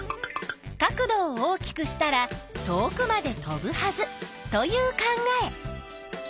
角度を大きくしたら遠くまで飛ぶはずという考え。